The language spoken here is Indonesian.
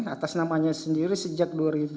atas namanya sendiri sejak dua ribu